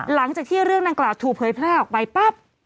หลังจากที่เรื่องดังกล่าวถูกเผยแพร่ออกไปปั๊บ